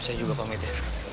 saya juga pamit ya